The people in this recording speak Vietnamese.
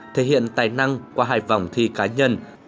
thể hiện tài năng qua hai vòng thi cá nhân